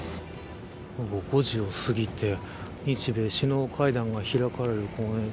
午後５時をすぎて日米首脳会談が開かれる公園